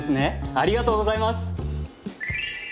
ありがとうございます！